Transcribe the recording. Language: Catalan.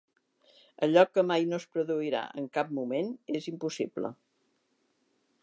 Allò que mai no es produirà en cap moment és impossible.